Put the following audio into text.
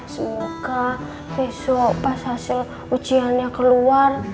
semoga besok pas hasil ujiannya keluar